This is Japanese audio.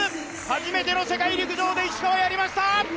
初めての世界陸上で石川、やりました！